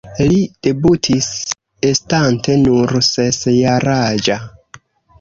Li debutis estante nur ses-jaraĝa.